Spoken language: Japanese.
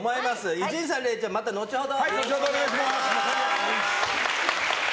伊集院さんとれいちゃんはまた後ほど。